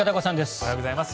おはようございます。